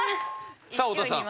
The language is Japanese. さあ太田さん。